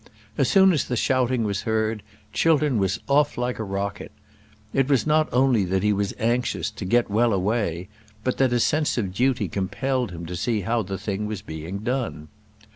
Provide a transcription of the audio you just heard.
As soon as the shouting was heard Chiltern was off like a rocket. It was not only that he was anxious to "get well away," but that a sense of duty compelled him to see how the thing was being done.